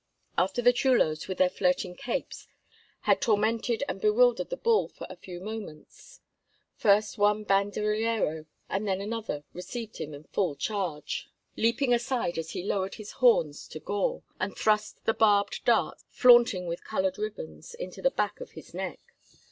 After the chulos, with their flirting capes, had tormented and bewildered the bull for a few moments, first one banderillero and then another received him in full charge, leaping aside as he lowered his horns to gore, and thrust the barbed darts, flaunting with colored ribbons, into the back of his neck.